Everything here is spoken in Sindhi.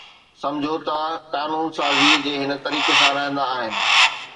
سمجھوتا قانون سازي جي ھن طريقي سان رھندا آھن